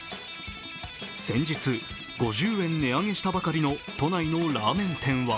先日５０円値上げしたばかりの都内のラーメン店は